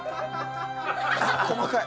細かい。